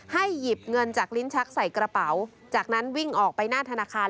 หยิบเงินจากลิ้นชักใส่กระเป๋าจากนั้นวิ่งออกไปหน้าธนาคาร